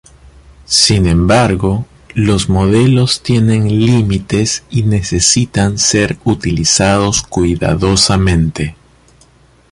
Sin embargo, los modelos tienen límites y necesitan ser utilizados cuidadosamente.